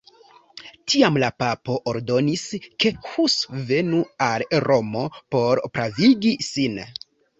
Tiam la papo ordonis, ke Hus venu al Romo por pravigi sin.